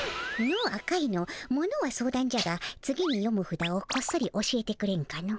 ものは相談じゃが次に読むふだをこっそり教えてくれんかの。